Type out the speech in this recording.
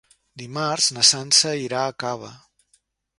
Dimarts na Sança irà a Cava.